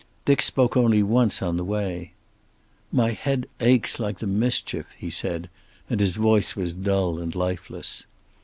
Dick spoke only once on the way. "My head aches like the mischief," he said, and his voice was dull and lifeless.